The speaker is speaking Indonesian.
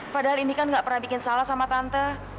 padahal indi kan nggak pernah bikin salah sama tante